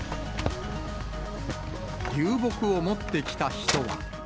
流木を持ってきた人は。